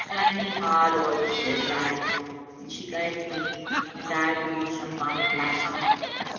*Gie me baud o't, ' says I, and she gae it to me, and I blew some bonny blasts on't.